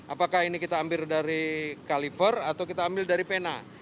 apakah ini kita ambil dari califor atau kita ambil dari pena